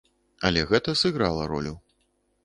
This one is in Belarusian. Але гэта сыграла ролю.